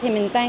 thì mình tăng